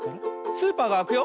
スーパーがあくよ。